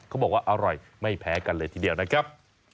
เขาบอกว่าอร่อยไม่แพ้กันเลยทีเดียวนะครับ